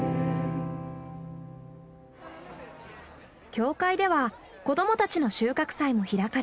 教会では子どもたちの収穫祭も開かれる。